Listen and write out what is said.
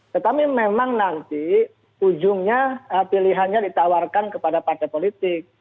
tetapi memang nanti ujungnya pilihannya ditawarkan kepada partai politik